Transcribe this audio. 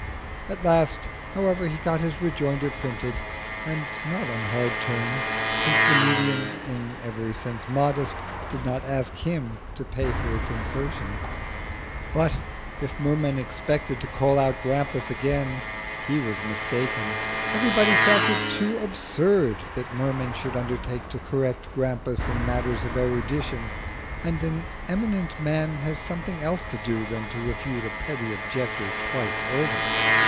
At last, however, he got his rejoinder printed, and not on hard terms, since the medium, in every sense modest, did not ask him to pay for its insertion. But if Merman expected to call out Grampus again, he was mistaken. Everybody felt it too absurd that Merman should undertake to correct Grampus in matters of erudition, and an eminent man has something else to do than to refute a petty objector twice over.